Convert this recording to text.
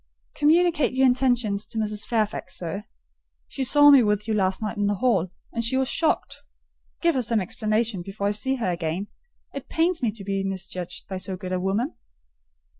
"Communicate your intentions to Mrs. Fairfax, sir: she saw me with you last night in the hall, and she was shocked. Give her some explanation before I see her again. It pains me to be misjudged by so good a woman."